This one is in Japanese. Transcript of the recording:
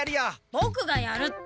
ボクがやるって！